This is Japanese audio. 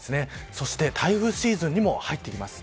そして台風シーズンにも入ってきます。